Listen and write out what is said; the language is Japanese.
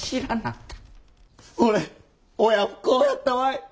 俺親不孝やったわい。